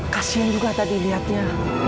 kasian juga tadi liatnya